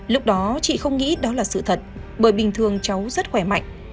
lúc đó chị không nghĩ đó là sự thật bởi bình thường cháu rất khỏe mạnh